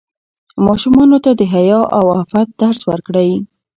ماشومانو ته د حیا او عفت درس ورکړئ.